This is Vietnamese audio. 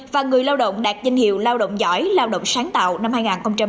và người lao động đạt danh hiệu lao động giỏi lao động sáng tạo năm hai nghìn một mươi chín